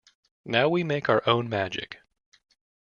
Now we make our own magic.